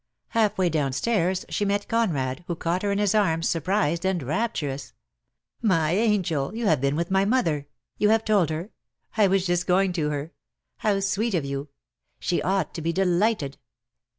Half way downstairs she met Conrad, who caught her in his arms, sui prised and rapturous. "My angel! You have been with my mother? You have told her? I was just going to her. How sweet of you! — She ought to be delighted."